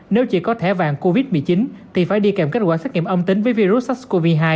nếu chỉ có thẻ vàng covid một mươi chín thì phải đi kèm kết quả xét nghiệm âm tính với virus sars cov hai